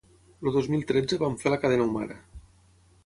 El dos mil tretze vam fer la cadena humana.